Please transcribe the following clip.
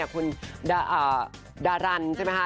คุณดารันใช่ไหมคะ